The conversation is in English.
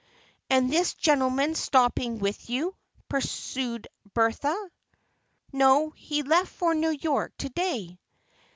"And is this gentleman stopping with you?" pursued Bertha. "No, he left for New York to day."